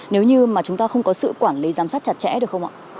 nếu như mà chúng ta không có sự quản lý giám sát chặt chẽ được không ạ